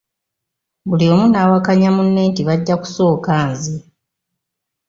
Buli omu nawakanya munne nti bajja kusooka nze.